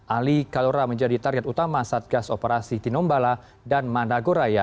ali kalora menjadi target utama saat gas operasi tinombala dan mandagoraya